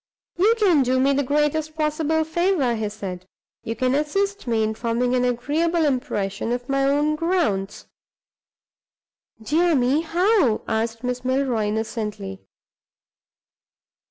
"You can do me the greatest possible favor," he said. "You can assist me in forming an agreeable impression of my own grounds." "Dear me! how?" asked Miss Milroy, innocently.